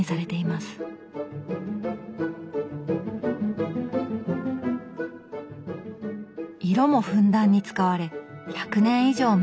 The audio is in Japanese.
色もふんだんに使われ１００年以上前の本とは思えない。